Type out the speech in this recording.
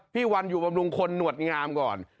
พี่วันอยู่บำรุงคนหนวดงามก่อน